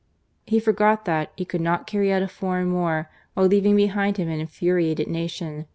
He forgot that he could not carry out a foreign war while leaving behind him an infuriated nation.